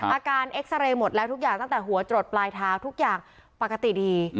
อาการเอ็กซาเรย์หมดแล้วทุกอย่างตั้งแต่หัวจดปลายเท้าทุกอย่างปกติดี